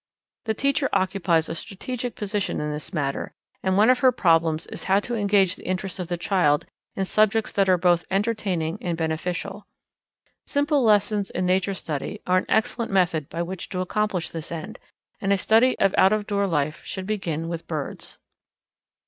The teacher occupies a strategic position in this matter, and one of her problems is how to engage the interest of the child in subjects that are both entertaining and beneficial. Simple lessons in nature study are an excellent method by which to accomplish this end, and a study of out of door life should begin with birds.